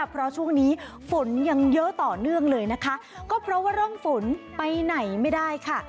เพราะช่วงนี้ฝนยังเยอะต่อเนื่องเลยนะคะก็เพราะว่าร่องฝนไปไหนไม่ได้ค่ะ